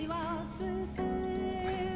はい？